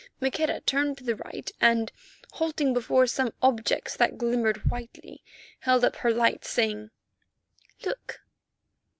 Maqueda turned to the right, and, halting before some objects that glimmered whitely, held up her light, saying, "Look!"